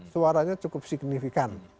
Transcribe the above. suaranya cukup signifikan